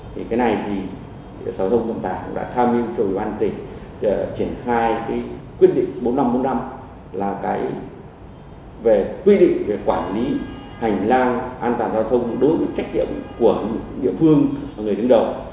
thì cái này thì sở thông vận tải cũng đã tham mưu cho ủy ban tỉnh triển khai cái quyết định bốn nghìn năm trăm bốn mươi năm là cái về quy định về quản lý hành lang an toàn giao thông đối với trách nhiệm của địa phương và người đứng đầu